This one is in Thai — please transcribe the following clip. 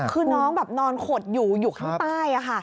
คือน้องแบบนอนขดอยู่อยู่ข้างใต้